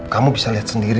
kamu bisa lihat sendiri